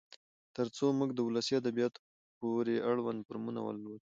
تر څو موږ د ولسي ادبياتو پورې اړوند فورمونه ولولو.